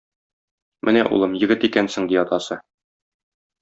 Менә, улым, егет икәнсең, - ди атасы.